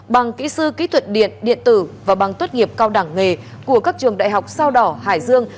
bằng kỹ sư kỹ thuật điện điện tử và bằng tốt nghiệp cao đẳng nghề của các trường đại học sao đỏ hải dương